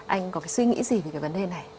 anh có cái suy nghĩ gì về cái vấn đề này